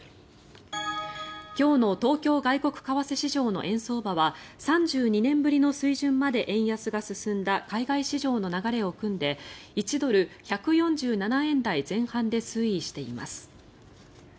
今日の東京外国為替市場の円相場は３２年ぶりの水準まで円安が進んだ海外市場の流れを汲んで１ドル＝１４７円台前半で推移しています。